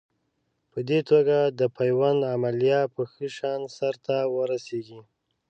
په دې توګه د پیوند عملیه په ښه شان سر ته ورسېږي.